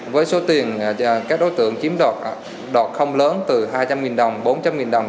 với số tiền các đối tượng chiếm đoạt không lớn từ hai trăm linh đồng bốn trăm linh đồng